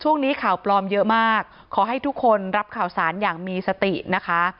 ข่าวปลอมเยอะมากขอให้ทุกคนรับข่าวสารอย่างมีสตินะคะ